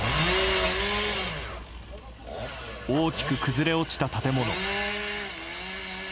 大きく崩れ落ちた建物。